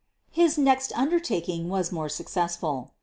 His next undertaking was more successful.